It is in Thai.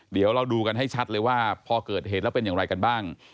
เดี๋ยวเราดูกันให้ชัดเลยว่าพอเกิดเหตุแล้วเป็นอย่างไรกันบ้าง